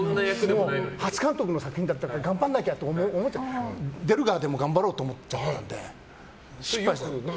初監督の作品だったから頑張らなきゃって思っちゃって出る側でも頑張ろうと思ってたので失敗した。